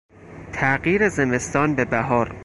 تغییر زمستان به بهار